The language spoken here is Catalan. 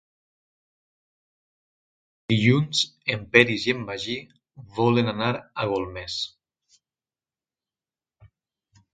Dilluns en Peris i en Magí volen anar a Golmés.